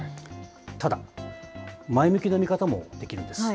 ただ、前向きな見方もできるんです。